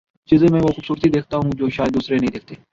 چیزوں میں وہ خوبصورتی دیکھتا ہوں جو شائد دوسرے نہیں دیکھتے